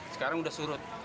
sekarang sudah surut